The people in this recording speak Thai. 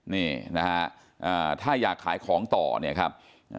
นี่นะฮะถ้าอยากขายของต่อเนี่ยครับ